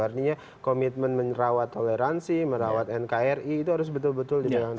artinya komitmen merawat toleransi merawat nkri itu harus betul betul diperhatikan